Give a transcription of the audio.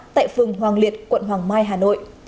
tại phường hoàng liệt quận hoàng mai hà nội